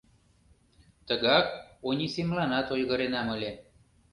— Тыгак Онисемланат ойгыренам ыле.